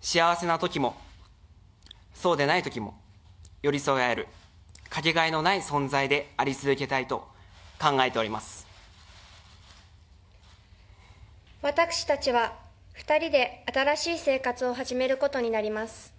幸せなときも、そうでないときも寄り添え合えるかけがえのない存在であり続けた私たちは２人で新しい生活を始めることになります。